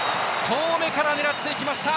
遠めから狙っていきました！